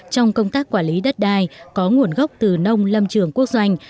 trong công tác quản lý đất đai có nguồn gốc từ nông lâm trường quốc doanh